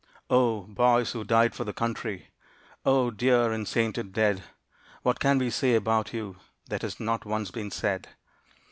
Oh, boys who died for the country, Oh, dear and sainted dead! What can we say about you That has not once been said?